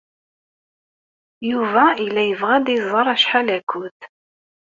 Yuba yella yebɣa ad iẓer acḥal akud.